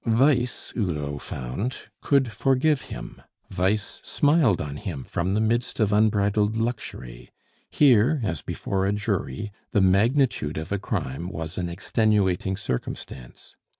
Vice, Hulot found, could forgive him; vice smiled on him from the midst of unbridled luxury. Here, as before a jury, the magnitude of a crime was an extenuating circumstance.